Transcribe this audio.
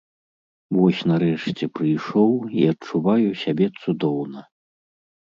Вось, нарэшце, прыйшоў, і адчуваю сябе цудоўна!